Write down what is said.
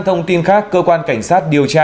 thông tin khác cơ quan cảnh sát điều tra